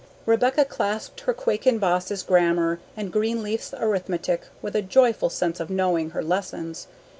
Rebecca clasped her Quackenbos's Grammar and Greenleaf's Arithmetic with a joyful sense of knowing her lessons.